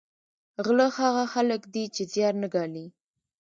غله هغه خلک دي چې زیار نه ګالي